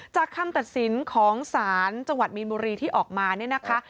คำตัดสินของศาลจังหวัดมีนบุรีที่ออกมาเนี่ยนะคะ